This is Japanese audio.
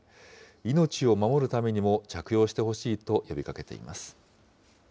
命を守るためにも着用してほしいと呼びかけています。